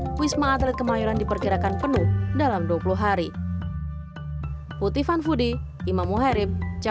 di wisma atlet kemayoran diperkirakan penuh dalam dua puluh hari